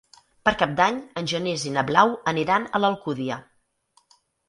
Per Cap d'Any en Genís i na Blau aniran a l'Alcúdia.